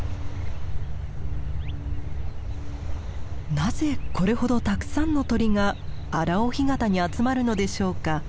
なぜこれほどたくさんの鳥が荒尾干潟に集まるのでしょうか。